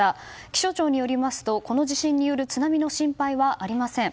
気象庁によりますとこの地震による津波の心配はありません。